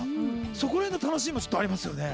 そこら辺の楽しみもありますよね。